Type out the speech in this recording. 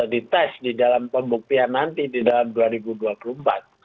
dites di dalam pembuktian nanti di dalam dua ribu dua puluh empat